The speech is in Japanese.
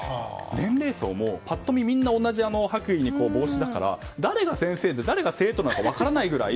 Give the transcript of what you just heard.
年齢層も、パッと見は同じ白衣に帽子だから、誰が先生で誰が生徒なのか分からないくらい。